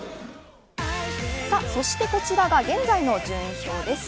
そしてこちらが現在の順位表です。